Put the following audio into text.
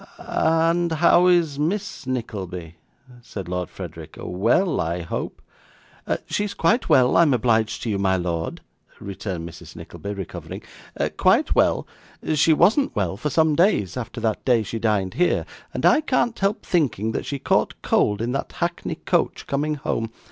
'A and how is Miss Nickleby?' said Lord Frederick. 'Well, I hope?' 'She is quite well, I'm obliged to you, my lord,' returned Mrs. Nickleby, recovering. 'Quite well. She wasn't well for some days after that day she dined here, and I can't help thinking, that she caught cold in that hackney coach coming home.